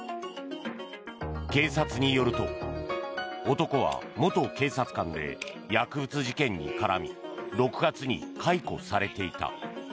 警察によると、男は元警察官で薬物事件に絡み６月に解雇されていた。